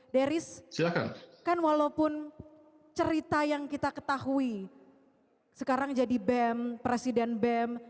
deris kan walaupun cerita yang kita ketahui sekarang jadi bem presiden bem